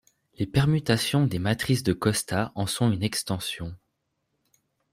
Les permutations des matrices de Costas en sont une extension.